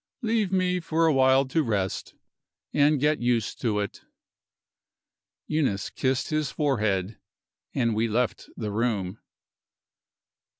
"Leave me for a while to rest, and get used to it." Eunice kissed his forehead and we left the room.